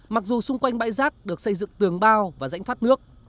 mặc dù xung quanh bãi rác được xây dựng tường bao và rãnh thoát nước